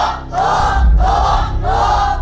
ถูก